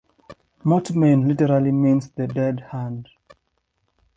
Mortmain literally means the dead hand.